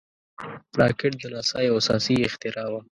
راکټ د ناسا یو اساسي اختراع وه